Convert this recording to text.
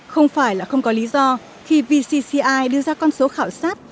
không phải là không có lý do khi vcci đưa ra con số khảo sát